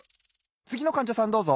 つぎのかんじゃさんどうぞ。